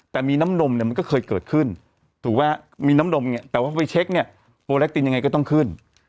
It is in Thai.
แต่มีน้ำนมเนี่ยมันก็เคยเกิดขึ้นถูกไหมมีน้ำนมไงแต่ว่าไปเช็คเนี่ยโปรแลคตินยังไงก็ต้องขึ้น